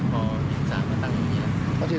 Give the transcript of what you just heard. พออี๋สหามาตั้งแบบนี้